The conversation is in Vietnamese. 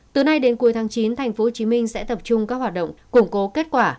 từ nay đến cuối tháng chín tp hcm sẽ tập trung các hoạt động củng cố kết quả